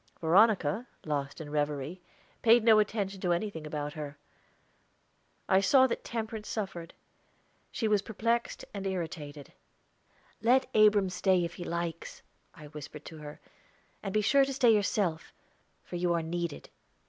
Veronica, lost in revery, paid no attention to anything about her. I saw that Temperance suffered; she was perplexed and irritated. "Let Abram stay, if he likes," I whispered to her; "and be sure to stay yourself, for you are needed."